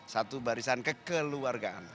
satu barisan kekeluargaan